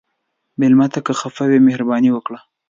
مېلمه ته که خفه وي، مهرباني وکړه.